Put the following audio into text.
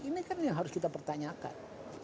ini kan yang harus kita pertanyakan